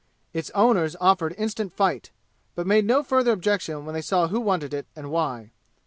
Its owners offered instant fight, but made no further objection when they saw who wanted it and why.